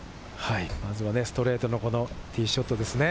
まずはストレートのティーショットですね。